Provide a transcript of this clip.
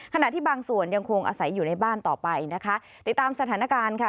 ขณะที่บางส่วนยังคงอาศัยอยู่ในบ้านต่อไปนะคะติดตามสถานการณ์ค่ะ